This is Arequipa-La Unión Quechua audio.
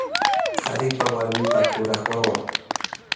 Qharipa warmipa kuraq wawan.